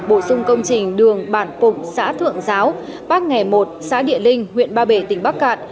bổ sung công trình đường bản phục xã thượng giáo bác nghề một xã địa linh huyện ba bể tỉnh bắc cạn